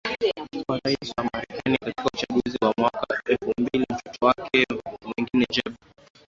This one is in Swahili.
kama rais wa Marekani katika uchaguzi wa mwaka elfu mbili Mtoto wake mwengine Jeb